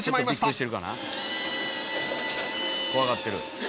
あっ怖がってる。